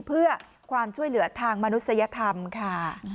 เพื่อความช่วยเหลือทางมนุษยธรรมค่ะ